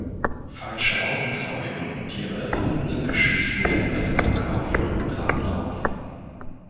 Falsche Augenzeugen, die ihre erfundenen Geschichten der Presse verkauften, traten auf.